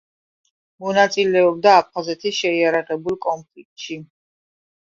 მონაწილეობდა აფხაზეთის შეიარაღებულ კონფლიქტში.